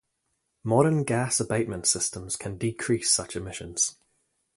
Modern gas abatement systems can decrease such emissions.